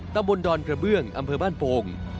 ตำบลดอนกระเบื้องอำเภอบ้านโป่ง